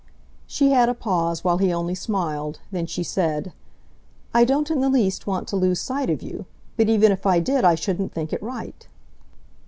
She had a pause while he only smiled; then she said: "I don't in the least want to lose sight of you. But even if I did I shouldn't think it right."